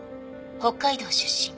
北海道出身。